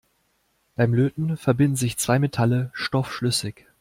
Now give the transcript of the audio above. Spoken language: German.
Beim Löten verbinden sich zwei Metalle stoffschlüssig.